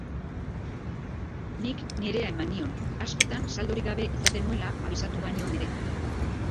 Nik nirea eman nion, askotan saldorik gabe izaten nuela abisatu banion ere.